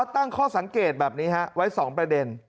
ตั้งข้อสังเกตแบบนี้ไว้๒ประเด็น